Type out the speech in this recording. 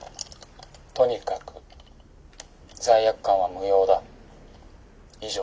とにかく罪悪感は無用だ。以上」。